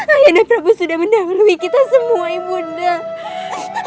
ayah dan prabu sudah mendahului kita semua ibu dah